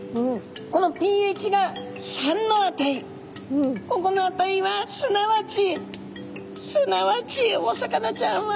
このｐＨが３の値ここの値はすなわちすなわちお魚ちゃんは。